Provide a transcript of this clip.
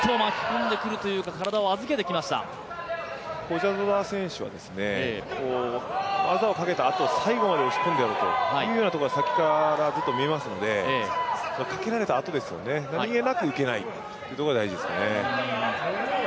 コジャゾダ選手は技をかけたあと、最後まで押し込んでやろうというところがさっきからずっと見えますので、かけられたあとですよね、何気なく受けないことが大事ですね。